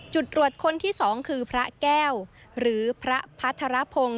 จุดตรวจคนที่๒คือพระแก้วหรือพระพัทรพงศ์